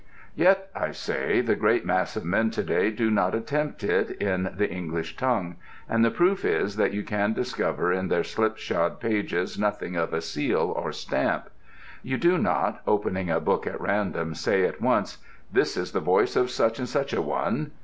Yet, I say, the great mass of men to day do not attempt it in the English tongue, and the proof is that you can discover in their slipshod pages nothing of a seal or stamp. You do not, opening a book at random, say at once: "This is the voice of such and such a one."